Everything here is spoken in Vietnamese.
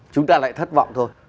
chúng ta lại thất vọng thôi